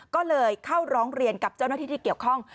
ก็เลยเข้าร้องเรียนกับเจ้าหน้าที่ที่เกี่ยวข้อง